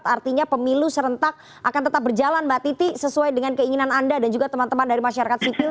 artinya pemilu serentak akan tetap berjalan mbak titi sesuai dengan keinginan anda dan juga teman teman dari masyarakat sipil